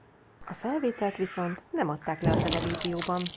A felvételt viszont nem adták le a televízióban.